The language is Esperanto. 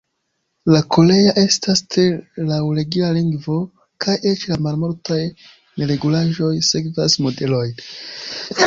La korea estas tre laŭregula lingvo, kaj eĉ la malmultaj neregulaĵoj sekvas modelojn.